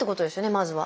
まずは。